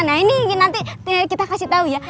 nah ini nanti kita kasih tahu ya